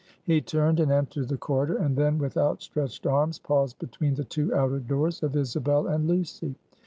He turned, and entered the corridor, and then, with outstretched arms, paused between the two outer doors of Isabel and Lucy.